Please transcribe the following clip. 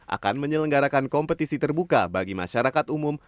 akan menyelenggarakan kompetisi terbuka bagi masyarakat umum